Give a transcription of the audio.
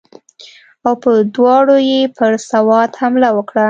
او په دواړو یې پر سوات حمله وکړه.